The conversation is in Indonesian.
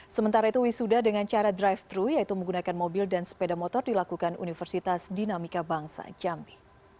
sementara itu wisuda dengan cara drive thru yaitu menggunakan mobil dan sepeda motor dilakukan universitas dinamika bangsa jambi